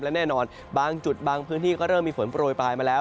และแน่นอนบางจุดบางพื้นที่ก็เริ่มมีฝนโปรยปลายมาแล้ว